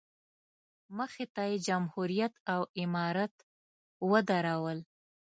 مخې ته یې جمهوریت او امارت ودرول.